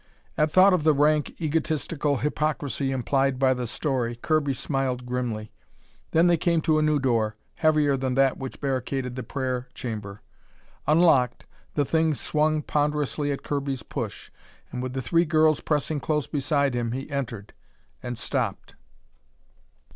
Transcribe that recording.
At thought of the rank, egotistical hypocrisy implied by the story, Kirby smiled grimly. Then they came to a new door, heavier than that which barricaded the prayer chamber. Unlocked, the thing swung ponderously at Kirby's push, and with the three girls pressing close beside him, he entered and stopped.